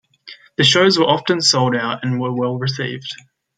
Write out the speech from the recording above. The shows were often sold out and were well received.